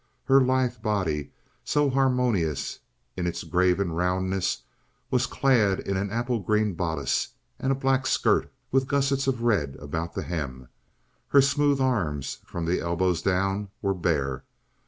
Her lithe body, so harmonious in its graven roundness, was clad in an apple green bodice, and a black skirt with gussets of red about the hem; her smooth arms, from the elbows down, were bare.